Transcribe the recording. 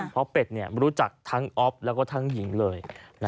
เพราะเป็ดรู้จักทั้งอ๊อฟแล้วก็ทั้งหญิงเลย